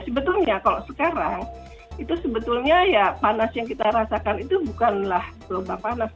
sebetulnya kalau sekarang itu sebetulnya ya panas yang kita rasakan itu bukanlah gelombang panas